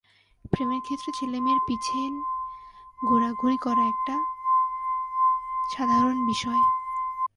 প্রেমের ক্ষেত্রে ছেলে মেয়ের পিছেন ঘুরাঘুরি করা একটা সাধারণ বিষয়।